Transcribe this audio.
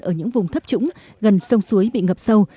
ở những vùng thấp trũng gần sông suối bị ngập sâu